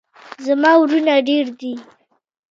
زما ورونه ډیر دي